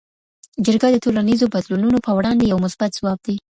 جرګه د ټولنیزو بدلونونو په وړاندې یو مثبت ځواب دی.